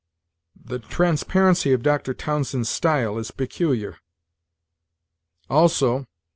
The transparency of Dr. Townsend's style is peculiar. Also, p.